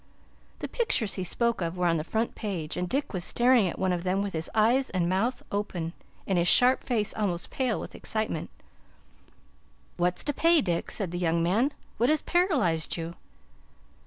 The pictures he spoke of were on the front page, and Dick was staring at one of them with his eyes and mouth open, and his sharp face almost pale with excitement. "What's to pay, Dick?" said the young man. "What has paralyzed you?"